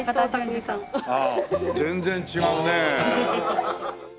ああ全然違うね。